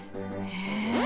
へえ！